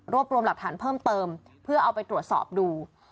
รวมรวมหลักฐานเพิ่มเติมเพื่อเอาไปตรวจสอบดู